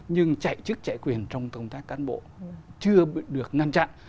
nhưng chạy chức chạy quyền trong công tác cán bộ chưa được ngăn chặn